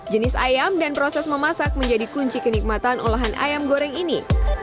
jenis ayam dan proses memasak menjadi kunci kenikmatan olahan ayam goreng ini